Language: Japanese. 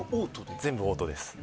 全部オートです。